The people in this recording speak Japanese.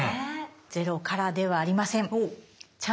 ゼロからではありません。